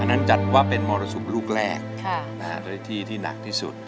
อันนั้นจัดว่าเป็นมรสุกลูกแรกที่หนักที่สุด